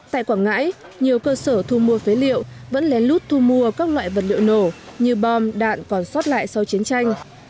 tại quảng ngãi nhiều cơ sở thu mua phế liệu vẫn lén lút thu mua các loại vật liệu nổ như bom đạn còn xót lại sau chiến tranh